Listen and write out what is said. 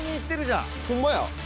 ホンマや。